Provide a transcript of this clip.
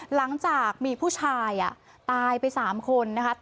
หลังจากมีผู้ชายตายไป๓คนนะคะ